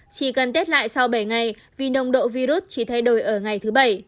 chỉ cần tết lại sau bảy ngày vì nồng độ virus chỉ thay đổi ở ngày thứ bảy